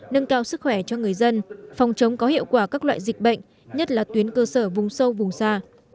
nâng cao sức khỏe cho người dân phòng chống có hiệu quả các loại dịch bệnh nhất là tuyến cơ sở vùng sâu vùng xa